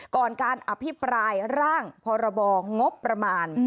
ก่อนการอภิปรายร่างพรบงบประมาณ